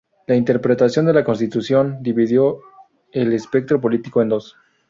La interpretación de la Constitución dividió el espectro político en dos.